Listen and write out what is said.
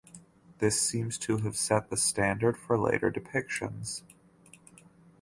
This seems to have set the standard for later depictions.